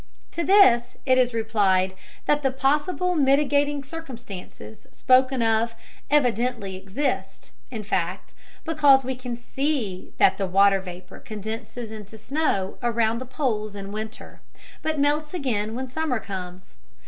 To this it is replied that the possible mitigating circumstances spoken of evidently exist in fact, because we can see that the watery vapor condenses into snow around the poles in winter, but melts again when summer comes.